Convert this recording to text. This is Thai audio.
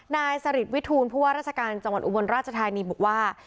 นายสริตวิทูลผู้ว่าราชการจังหวัดอุบลราชธานีบอกว่า